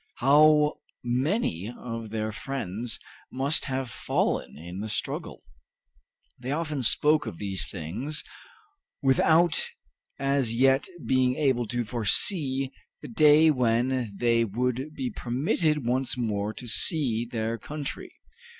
How many of their friends must have fallen in the struggle? They often spoke of these things, without as yet being able to foresee the day when they would be permitted once more to see their country.